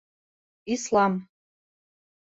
Ислам.